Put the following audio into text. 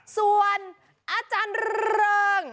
ส่วนอาจารย์เริง